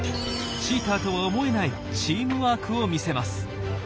チーターとは思えないチームワークを見せます。